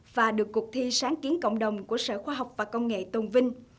và được cuộc thi sáng kiến cộng đồng của sở khoa học và công nghệ tôn vinh